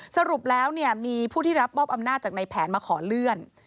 สรุปแล้วมีผู้ที่รับมอบอำนาจจากในแผนมาขอเลื่อน